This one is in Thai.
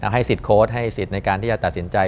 ให้สิทธิ์โค้ดให้สิทธิ์ในการที่จะตัดสินใจ